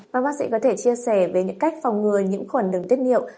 và bác sĩ có thể chia sẻ về những cách phòng ngừa nhiễm khuẩn đường tiết niệu